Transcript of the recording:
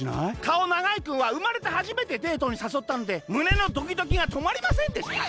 かおながいくんはうまれてはじめてデートにさそったのでむねのドキドキがとまりませんでした」。